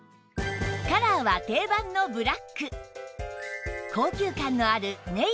カラーは定番のブラック高級感のあるネイビー